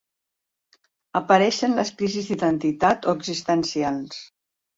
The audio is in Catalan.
Apareixen les crisis d'identitat o existencials.